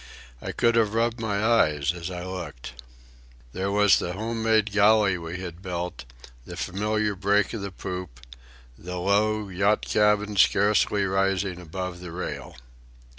I could have rubbed my eyes as I looked. There was the home made galley we had built, the familiar break of the poop, the low yacht cabin scarcely rising above the rail.